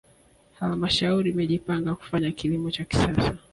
halmashauri imejipanga kufanya kilimo cha kisasa